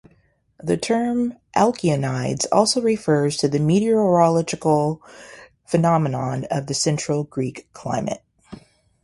The term "Alkyonides" also refers to a meteorological phenomenon of the central Greek climate.